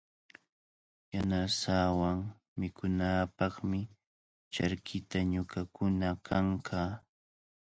Yanasaawan mikunaapaqmi charkita ñuqakuna kankaa.